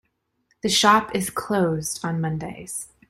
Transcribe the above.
The shop is closed on Mondays.